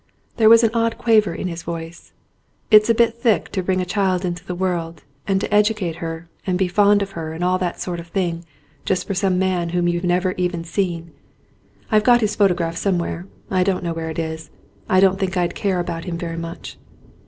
There was an odd quaver in his voice. "It's a bit thick to bring a child into the world and to edu cate her and be fond of her and all that sort of thing just for some man whom you've never even seen. I've got his photograph somewhere, I don't know where it is. I don't think I'd care about him very much."